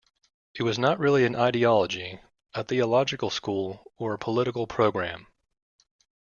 It was not really an ideology, a theological school, or a political programme.